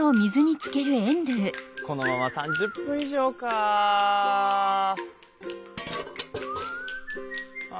このまま３０分以上かあ。